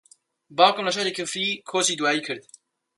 باوکم لە شاری کفری کۆچی دوایی کرد.